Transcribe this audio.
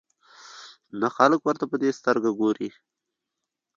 نه خلک ورته په دې سترګه ګوري.